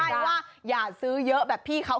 ใช่ว่าอย่าซื้อเยอะแบบพี่เขา